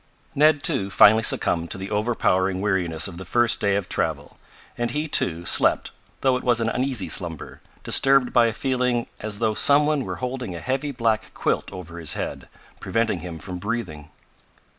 Ned, too, finally succumbed to the overpowering weariness of the first day of travel, and he, too, slept, though it was an uneasy slumber, disturbed by a feeling as though some one were holding a heavy black quilt over his head, preventing him from breathing.